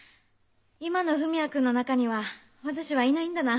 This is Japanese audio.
「今の文也君の中には私はいないんだな」